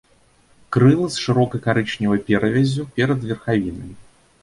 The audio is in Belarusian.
Крылы з шырокай карычневай перавяззю перад верхавінай.